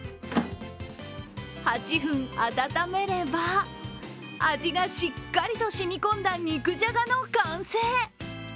８分温めれば、味がしっかりしみこんだ肉じゃがの完成。